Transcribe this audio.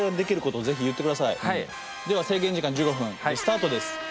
では制限時間１５分スタートです。